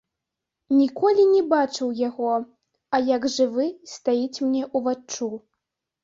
Ніколі не бачыў яго, а як жывы стаіць мне ўваччу.